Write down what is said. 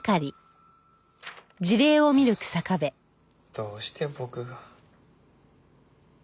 どうして僕が。